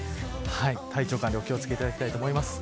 体調管理、お気を付けいただきたいと思います。